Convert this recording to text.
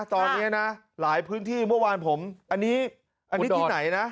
ตอนนี้นะหลายพื้นที่เมื่อวานผมอันนี้ที่ไหนนะ